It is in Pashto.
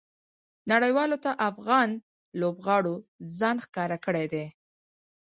نړۍوالو ته افغان لوبغاړو ځان ښکاره کړى دئ.